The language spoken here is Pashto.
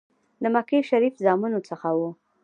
د مکې شریف زامنو څخه وو.